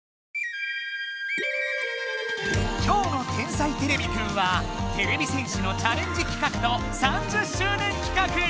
今日の「天才てれびくん」はてれび戦士のチャレンジ企画と３０しゅう年企画！